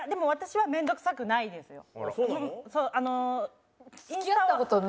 私は面倒くさくないです。